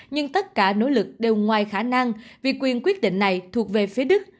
nhưng tất cả nỗ lực đều ngoài khả năng vì quyền quyết định này thuộc về phía đức